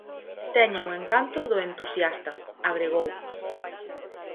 "Teñen o encanto do entusiasta", agregou.